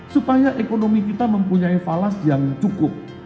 supaya ekonomi kita mempunyai evalas yang cukup